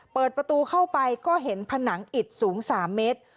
เปิดประตูเข้าไปก็เห็นผนังอิดสูง๓เมตร